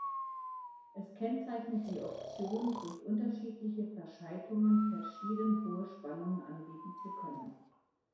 Es kennzeichnet die Option, durch unterschiedliche Verschaltungen verschieden hohe Spannungen anbieten zu können.